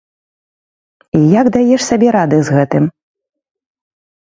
І як даеш сабе рады з гэтым?